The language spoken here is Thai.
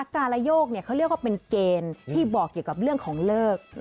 การโยกเขาเรียกว่าเป็นเกณฑ์ที่บอกเกี่ยวกับเรื่องของเลิก